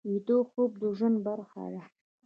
ویده خوب د ژوند برخه ده